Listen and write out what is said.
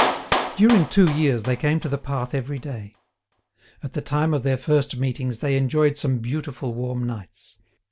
During two years they came to the path every day. At the time of their first meetings they enjoyed some beautiful warm nights.